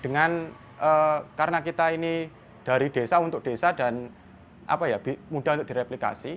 dengan karena kita ini dari desa untuk desa dan mudah untuk direplikasi